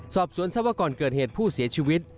สอบสวนทราบว่าก่อนเกิดเหตุผู้เสียชีวิต